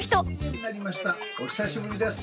お久しぶりです。